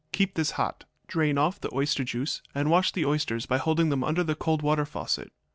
Keep this hot. Drain off the oyster juice and wash the oysters by holding them under the cold water faucet.